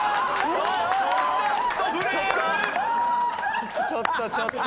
ちょっとちょっと。